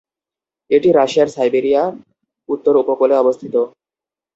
এটি রাশিয়ার সাইবেরিয়ার উত্তর উপকূলে অবস্থিত।